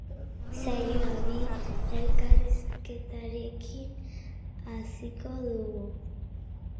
Saioa bi elkarrizketarekin hasiko dugu.